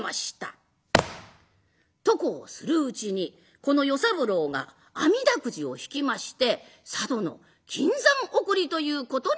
とこうするうちにこの与三郎があみだくじを引きまして佐渡の金山送りということになりました。